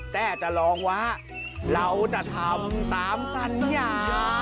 แต่จะลองว่าเราจะทำตามสัญญา